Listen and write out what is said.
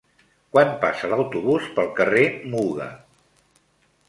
Quan passa l'autobús pel carrer Muga?